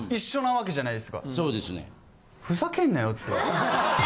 そうですね。